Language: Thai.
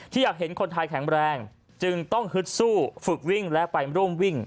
อยากเห็นคนไทยแข็งแรงจึงต้องฮึดสู้ฝึกวิ่งและไปร่วมวิ่ง